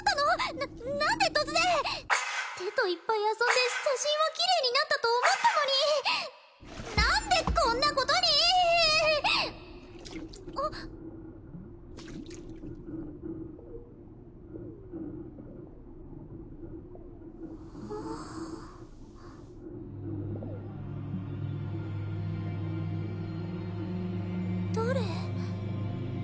な何で突然手といっぱい遊んで写真は綺麗になったと思ったのに何でこんなことにあっああ誰？